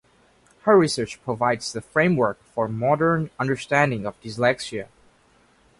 Her research provides the framework for modern understanding of dyslexia.